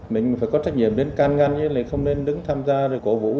mình phải có trách nhiệm đến can ngăn như thế này không nên đứng tham gia cổ vũ